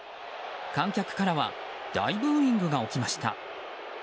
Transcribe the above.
観客からは大ブーイングが起きました。